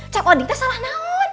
cep oding tuh salah naun